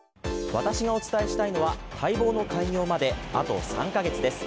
私がお伝えしたいのは待望の開業まであと３か月です。